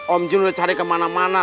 om jo udah cari kemana mana